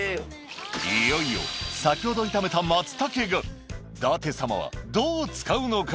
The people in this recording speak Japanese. いよいよ先ほど炒めた松茸が舘様はどう使うのか？